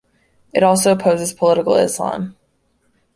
It also opposes political Islam.